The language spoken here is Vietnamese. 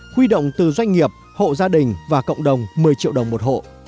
huy động từ doanh nghiệp hộ gia đình và cộng đồng một mươi triệu đồng một hộ